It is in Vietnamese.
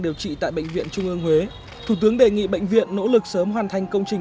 điều trị tại bệnh viện trung ương huế thủ tướng đề nghị bệnh viện nỗ lực sớm hoàn thành công trình